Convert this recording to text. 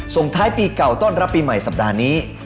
ส่งท้ายปีเก่าต้อนรับปีใหม่สัปดาห์นี้